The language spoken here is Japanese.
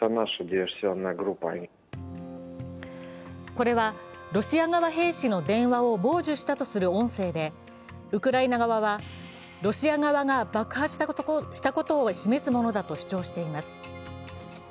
これはロシア側兵士の電話を傍受したとする音声で、ウクライナ側はロシア側が爆破したことを示すものだと主張しています。